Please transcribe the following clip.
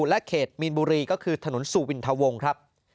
และเขตมีนบุรีก็คือถนนสุวินทวงครับ